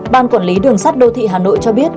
ban quản lý đường sắt đô thị hà nội cho biết